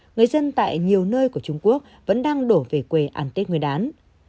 người dân tại nhiều nơi của trung quốc vẫn đang đổ về quê ăn tết nguyên đán